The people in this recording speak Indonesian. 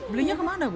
belinya kemana ibu